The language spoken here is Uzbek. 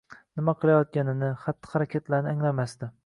Nima qilayotganini, xatti harakatlarini anglamasdi